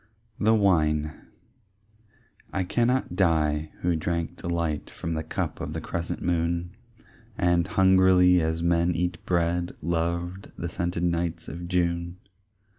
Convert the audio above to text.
The Wine I cannot die, who drank delight From the cup of the crescent moon, And hungrily as men eat bread, Loved the scented nights of June.